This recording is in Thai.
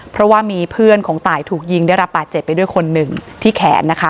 เพราะว่ามีเพื่อนของตายถูกยิงได้รับบาดเจ็บไปด้วยคนหนึ่งที่แขนนะคะ